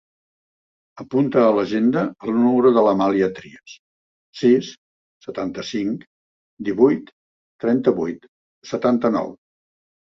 Apunta a l'agenda el número de l'Amàlia Trias: sis, setanta-cinc, divuit, trenta-vuit, setanta-nou.